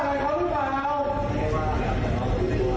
เห็นมองแต่ก็พูดไม่ดีกับคุณ